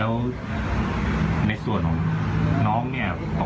แล้วในส่วนของน้องเนี่ยปกติน้องเป็นคนเรียนดีหรือว่า